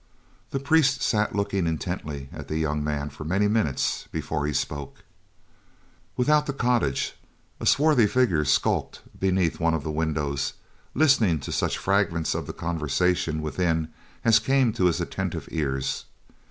The priest sat looking intently at the young man for many minutes before he spoke. Without the cottage, a swarthy figure skulked beneath one of the windows, listening to such fragments of the conversation within as came to his attentive ears.